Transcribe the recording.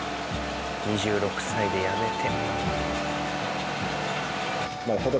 ２６歳で辞めて。